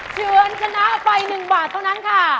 เฉือนชนะไป๑บาทเท่านั้นค่ะ